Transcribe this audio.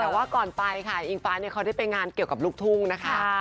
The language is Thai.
แต่ว่าก่อนไปค่ะอิงฟ้าเนี่ยเขาได้ไปงานเกี่ยวกับลูกทุ่งนะคะ